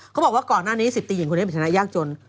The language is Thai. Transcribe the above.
เขาบอกว่าก่อนหน้านี้๑๐ตีหญิงคนนี้เป็นชนะยากจน